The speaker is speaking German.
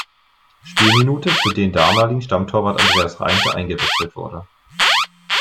Spielminute für den damaligen Stammtorwart Andreas Reinke eingewechselt wurde.